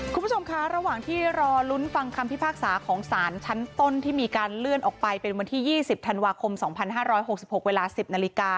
คุณผู้ชมคะระหว่างที่รอลุ้นฟังคำพิพากษาของสารชั้นต้นที่มีการเลื่อนออกไปเป็นวันที่๒๐ธันวาคม๒๕๖๖เวลา๑๐นาฬิกา